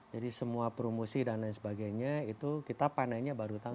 jadi semua promosi dan lain sebagainya itu kita panenya baru tahun dua ribu dua puluh